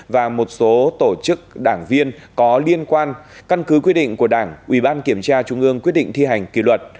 và một số tổ chức đảng viên có liên quan căn cứ quy định của đảng ủy ban kiểm tra trung ương quyết định thi hành kỷ luật